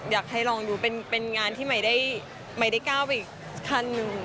อยากให้ลองดูเป็นงานที่ไม่ได้ก้าวไปอีกขั้นหนึ่ง